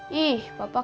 kepo itu apa